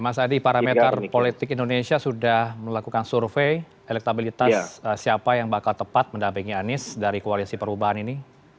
mas adi parameter politik indonesia sudah melakukan survei elektabilitas siapa yang bakal tepat mendampingi anies dari koalisi perubahan ini